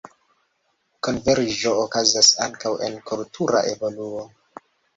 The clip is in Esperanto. Konverĝo okazas ankaŭ en kultura evoluo.